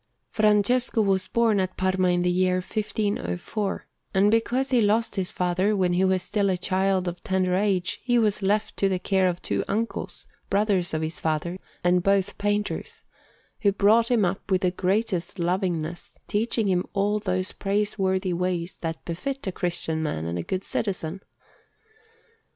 Francesco was born at Parma in the year 1504, and because he lost his father when he was still a child of tender age, he was left to the care of two uncles, brothers of his father, and both painters, who brought him up with the greatest lovingness, teaching him all those praiseworthy ways that befit a Christian man and a good citizen.